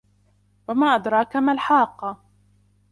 وَمَا أَدْرَاكَ مَا الْحَاقَّةُ